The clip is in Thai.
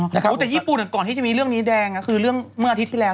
แต่ญี่ปุ่นก่อนที่จะมีเรื่องนี้แดงก็คือเรื่องเมื่ออาทิตย์ที่แล้ว